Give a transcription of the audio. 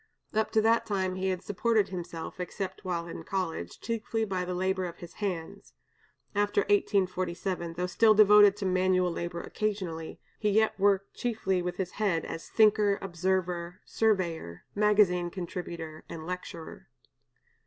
Up to that time he had supported himself, except while in college, chiefly by the labor of his hands; after 1847, though still devoted to manual labor occasionally, he yet worked chiefly with his head as thinker, observer, surveyor, magazine contributor, and lecturer.